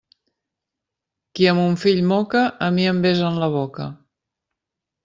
Qui a mon fill moca, a mi em besa en la boca.